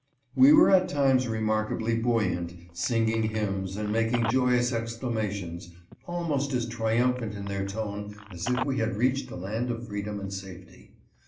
We were at times remark ably buoyant, singing hymns, and making joyous excla mations, almost as triumphant in their tone as if we had reached a land of freedom and safety.